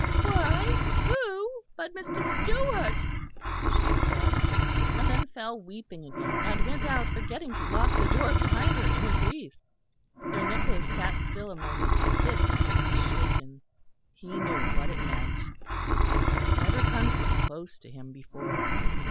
"Why, who but Mr. Stewart?" she said; and then fell weeping again, and went out forgetting to lock the door behind her in her grief. Sir Nicholas sat still a moment, sick and shaken; he knew what it meant; but it had never come so close to him before.